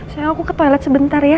saya aku ke toilet sebentar ya